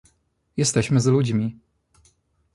Jesteśmy z ludźmi